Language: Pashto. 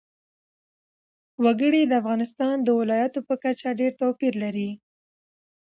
وګړي د افغانستان د ولایاتو په کچه ډېر توپیر لري.